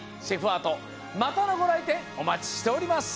アートまたのごらいてんおまちしております。